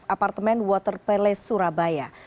apartemen water palace surabaya